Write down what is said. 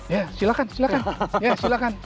ya silahkan silahkan